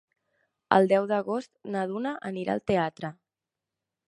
El deu d'agost na Duna anirà al teatre.